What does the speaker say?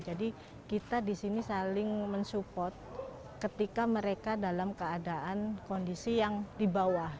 kita di sini saling mensupport ketika mereka dalam keadaan kondisi yang di bawah